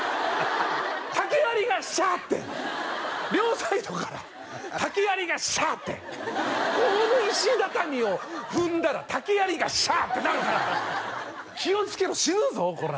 竹やりがシャーッて両サイドから竹やりがシャーッてこの石畳を踏んだら竹やりがシャーッてなるから気をつけろ死ぬぞコラ！